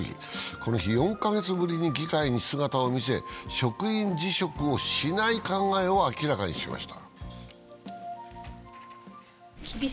この日、４カ月ぶりに議会に姿を見せ、議員辞職をしない考えを明らかにしました。